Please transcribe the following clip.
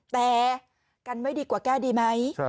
แต่กันไม่ดีกว่าแก้ดีไหม